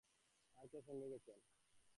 আর কে সঙ্গে গেছেন?